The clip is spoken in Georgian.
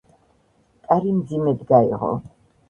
კარი მძიმედ გაიღო.